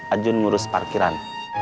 ajun ngurus parkiran